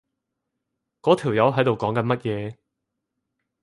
嗰條友喺度講緊乜嘢？